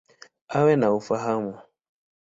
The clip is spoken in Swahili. Awe na ufahamu.